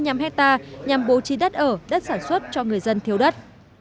nhằm bố trí đất ở đất sản xuất cho người dân thiếu đất